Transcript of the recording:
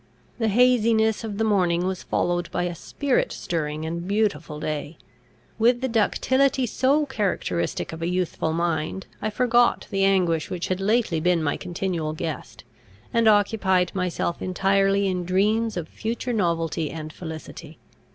The haziness of the morning was followed by a spirit stirring and beautiful day. With the ductility so characteristic of a youthful mind, I forgot the anguish which had lately been my continual guest, and occupied myself entirely in dreams of future novelty and felicity.